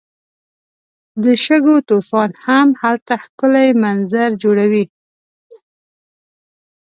د شګو طوفان هم هلته ښکلی منظر جوړوي.